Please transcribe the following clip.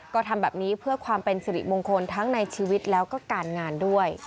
ก็ทำแบบนี้เพื่อความเป็นสิริมงคลทั้งในชีวิตแล้วก็การงานด้วย